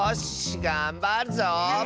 がんばるぞ！